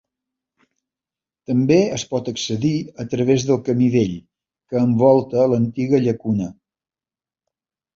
També es pot accedir a través del camí vell, que envolta l'antiga llacuna.